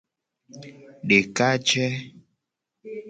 Dekaje.